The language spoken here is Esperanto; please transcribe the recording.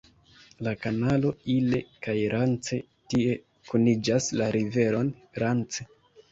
La kanalo Ille-kaj-Rance tie kuniĝas la riveron Rance.